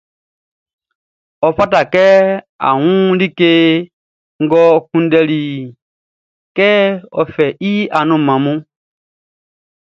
Ɔ fata kɛ ɔ wun like ngʼɔ kunndɛliʼn, kɛ ɔ fɛ i annunmanʼn.